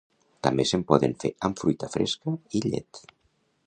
També se'n poden fer amb fruita fresca i llet.